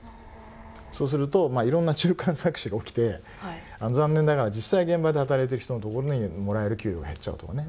そうするといろんな中間搾取が起きて残念ながら実際現場で働いてる人のところにもらえる給料が減っちゃうとかね。